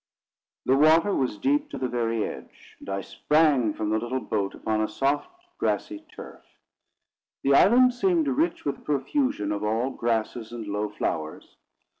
The water was deep to the very edge; and I sprang from the little boat upon a soft grassy turf. The island seemed rich with a profusion of all grasses and low flowers.